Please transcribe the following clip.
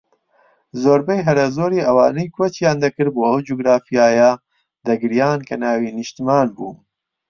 زۆربەی هەرە زۆری ئەوانەی کۆچیان دەکرد بۆ ئەو جوگرافیایە دەگریان کە ناوی نیشتمان بوو